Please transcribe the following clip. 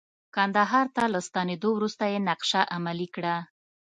کندهار ته له ستنیدو وروسته یې نقشه عملي کړه.